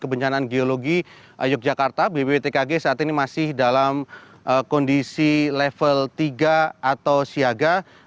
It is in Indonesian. bencanaan geologi yogyakarta bbb tkg saat ini masih dalam kondisi level tiga atau siaga